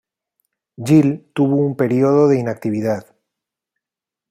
Jill tuvo un período de inactividad.